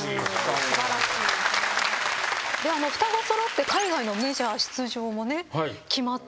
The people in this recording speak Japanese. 双子揃って海外のメジャー出場もね決まっ